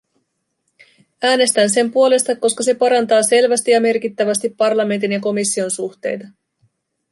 Äänestän sen puolesta, koska se parantaa selvästi ja merkittävästi parlamentin ja komission suhteita.